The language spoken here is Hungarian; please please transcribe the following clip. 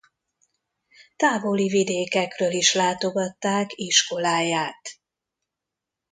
Távoli vidékekről is látogatták iskoláját.